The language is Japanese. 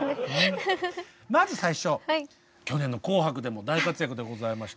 まず最初去年の「紅白」でも大活躍でございまして。